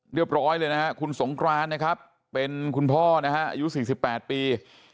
เรียบร้อยเลยนะฮะคุณสงครานนะครับเป็นคุณพ่อนะฮะอายุ๔๘ปี